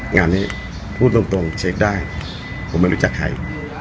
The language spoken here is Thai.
งานนี้พูดตรงเช็คได้ผมไม่รู้จักใคร